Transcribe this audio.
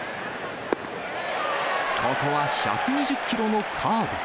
ここは１２０キロのカーブ。